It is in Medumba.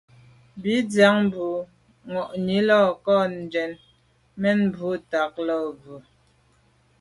Bìn síáŋ bû’ŋwà’nǐ lî kά njə́n mə̂n mbwɔ̀ ntὰg lά bwə́.